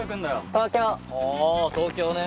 あ東京ね。